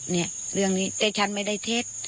เนี่ยเรื่องนี้แต่ฉันไม่ได้เท็จ